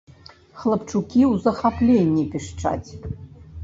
Хлапчукі ў захапленні пішчаць.